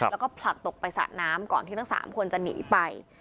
แล้วก็ผลักตกไปสระน้ำก่อนที่ทั้ง๓คนจะหนีไป